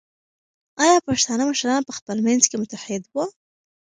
ایا پښتانه مشران په خپل منځ کې متحد وو؟